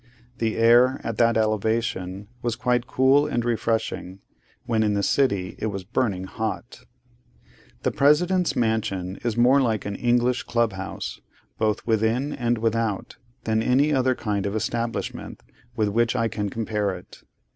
The air, at that elevation, was quite cool and refreshing, when in the city it was burning hot. The President's mansion is more like an English club house, both within and without, than any other kind of establishment with which I can compare it.